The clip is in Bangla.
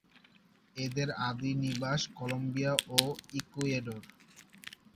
এদের আদি নিবাস কলম্বিয়া ও ইকুয়েডর।